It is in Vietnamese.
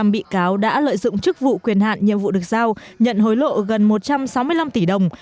năm bị cáo đã lợi dụng chức vụ quyền hạn nhiệm vụ được giao nhận hối lộ gần một trăm sáu mươi năm tỷ đồng